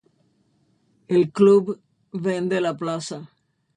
El Club vende la plaza.